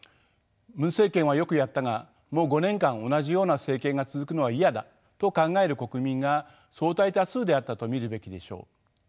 ムン政権はよくやったがもう５年間同じような政権が続くのは嫌だと考える国民が相対多数であったと見るべきでしょう。